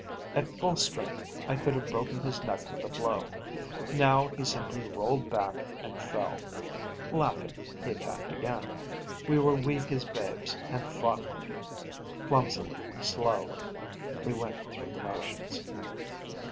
At full strength, I could have broken his neck with the blow. Now, he simply rolled back and fell. Laughing, he attacked again. We were weak as babes, and fought like it. Clumsily, slowly, we went through the motions.